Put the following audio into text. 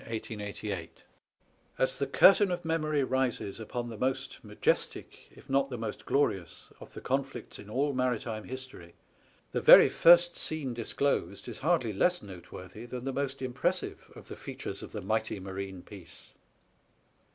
SPANISH ARMADA* As the curtain of memory rises upon the most majestic, if not the most glorious, of the conflicts in all maritime history, the very first scene disclosed is hardly less note worthy than the most impressive of the features of the mighty marine piece.